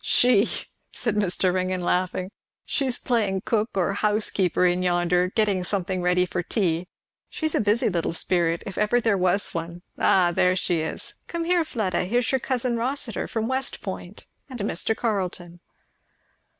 "She," said Mr. Ringgan, laughing, "she's playing cook or housekeeper in yonder, getting something ready for tea. She's a busy little spirit, if ever there was one. Ah! there she is. Come here, Fleda here's your cousin Rossitur from West Point and Mr. Carleton."